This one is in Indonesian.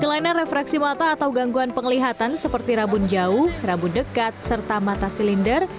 kelainan refraksi mata atau gangguan penglihatan seperti rabun jauh rabu dekat serta mata silinder